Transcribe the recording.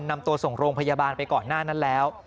นำตัวส่งโรงพยาบาลไปก่อนหน้านั้นแล้ว